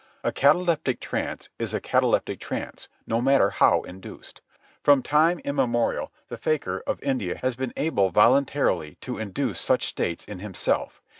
A cataleptic trance is a cataleptic trance, no matter how induced. From time immemorial the fakir of India has been able voluntarily to induce such states in himself.